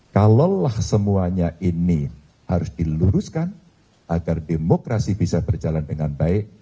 kalaulah semuanya ini harus diluruskan agar demokrasi bisa berjalan dengan baik